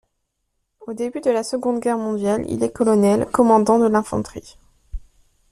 Au début de la Seconde Guerre mondiale, il est colonel, commandant le d'infanterie.